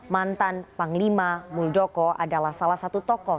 mantan panglima muldoko adalah salah satu tokoh